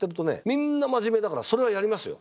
みんな真面目だからそれはやりますよ。